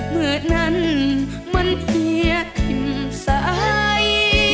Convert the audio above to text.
เมื่อนั้นมันเพียทิ้มสาย